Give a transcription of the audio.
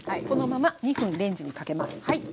このまま２分レンジにかけます。